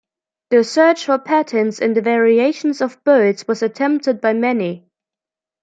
The search for patterns in the variations of birds was attempted by many.